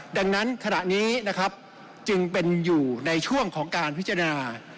ดังนั้นขณะนี้นะครับจึงเป็นอยู่ในช่วงของการพิจารณา